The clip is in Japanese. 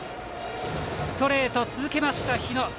ストレートを続けた日野。